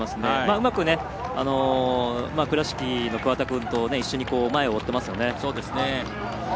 うまく、倉敷の桑田君と一緒に前を追ってますよね。